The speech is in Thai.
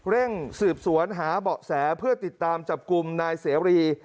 เร่งสืบสวนหาเบาะแสเพื่อติดตามจับกลุ่มนายเสรี